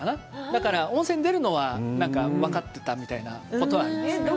だから温泉出るのは分かってたみたいなことはありますねね。